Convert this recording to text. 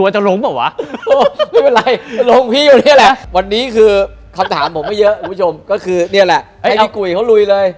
๒ชั่วคนเลยเหรอ